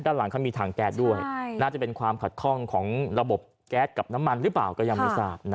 หลังเขามีถังแก๊สด้วยน่าจะเป็นความขัดข้องของระบบแก๊สกับน้ำมันหรือเปล่าก็ยังไม่ทราบ